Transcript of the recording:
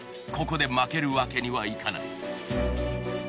ここで負けるわけにはいかない。